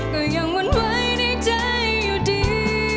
ก็ยังวั่นไว้ในใจอยู่ดี